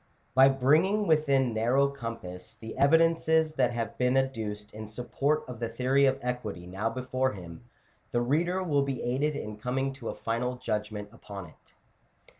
By bringing within narrow compass the evidences that have been adduced in support of the Theory of Equity now before him, the reader will be aided in coming to a final judgment upon it.